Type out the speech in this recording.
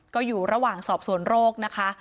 ก็อยู่ระหว่างสอบสวนโรคนะคะ